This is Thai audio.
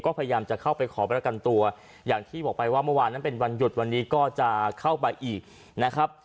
ก็พยายามจะเข้าไปขอประกันตัวอย่างที่บอกไปว่าเมื่อวานนั้นเป็นวันหยุดวันนี้ก็จะเข้าไปอีกนะครับ